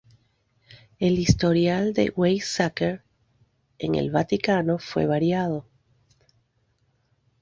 El historial de Weizsäcker en el Vaticano fue variado.